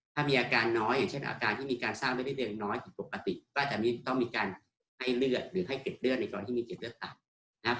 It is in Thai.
ถ้ามีอาการน้อยอย่างเช่นอาการที่มีการสร้างไม่ได้เดินน้อยผิดปกติก็อาจจะไม่ต้องมีการให้เลือดหรือให้เก็บเลือดในตอนที่มีเกร็ดเลือดต่ำนะครับ